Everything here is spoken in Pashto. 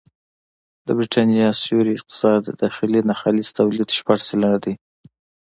د بریتانیا سیوري اقتصاد د داخلي ناخالص توليد شپږ سلنه دی